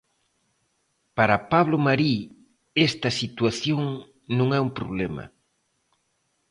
Para Pablo Marí, esta situación non é un problema.